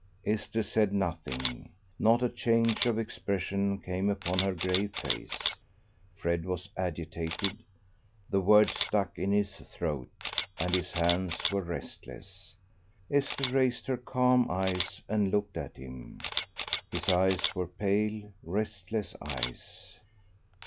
Esther said nothing; not a change of expression came upon her grave face. Fred was agitated. The words stuck in his throat, and his hands were restless. Esther raised her calm eyes, and looked at him. His eyes were pale, restless eyes.